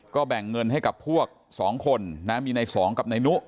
ก็แบ่งเงินให้กับพวก๒คนนะมีในสองกับนายนุ